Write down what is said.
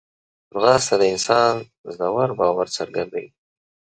ځغاسته د انسان ژور باور څرګندوي